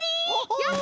やった！